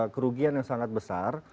kerugian yang sangat besar